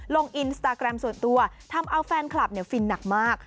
ลงอินสตาแกรมส่วนตัวทำเอาแฟนคลับฟินหนักมาก